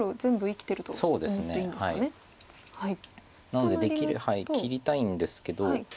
なのでできれば切りたいんですけど。